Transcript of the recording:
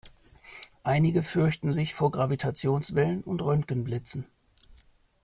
Einige fürchten sich vor Gravitationswellen und Röntgenblitzen.